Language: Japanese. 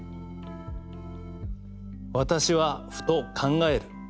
私はふと考える。